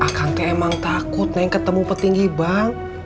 akang ke emang takut neng ketemu petinggi bank